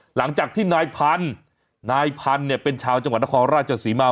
หลังจากที่นายพันธุ์นายพันธุ์เนี่ยเป็นชาวจังหวัดนครราชศรีมา